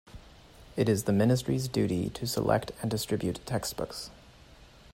It is the Ministry's duty to select and distribute textbooks.